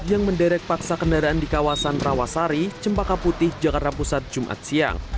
yang menderek paksa kendaraan di kawasan rawasari cempaka putih jakarta pusat jumat siang